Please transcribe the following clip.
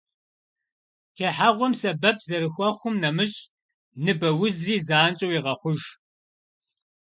Техьэгъуэм сэбэп зэрыхуэхъум нэмыщӏ, ныбэ узри занщӏэу егъэхъуж.